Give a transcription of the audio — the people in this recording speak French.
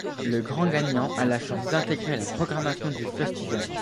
Le grand gagnant a la chance d'intégrer la programmation du festival.